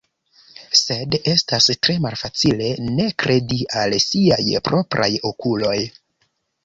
Sed estas tre malfacile ne kredi al siaj propraj okuloj.